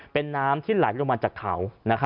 เป็นน้ำที่ไหลลงมาจากเขา